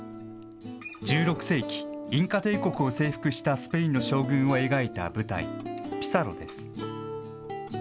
１６世紀、インカ帝国を征服したスペインの将軍を描いた舞台、ピサロです。